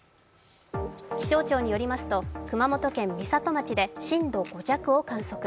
気象庁によりますと熊本県美里町で震度５弱を観測。